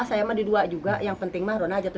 saya emang di dua juga yang penting mah ronald aja tuh